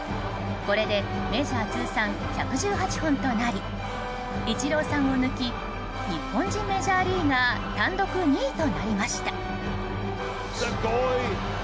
これでメジャー通算１１８本となりイチローさんを抜き日本人メジャーリーガー単独２位となりました。